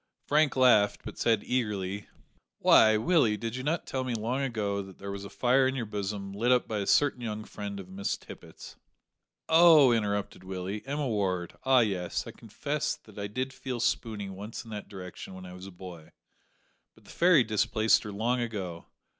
Frank laughed, but said eagerly "Why. Willie, did you not tell me long ago that there was a fire in your bosom, lit up by a certain young friend of Miss Tippet's " "Oh," interrupted Willie, "Emma Ward; ah, yes, I confess that I did feel spooney once in that direction when I was a boy, but the fairy displaced her long ago.